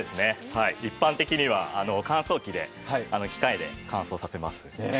一般的には乾燥機で、機械で乾燥させます。